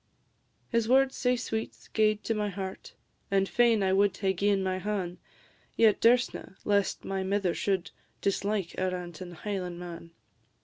His words, sae sweet, gaed to my heart, And fain I wad hae gi'en my han'; Yet durstna, lest my mither should Dislike a rantin' Highlandman.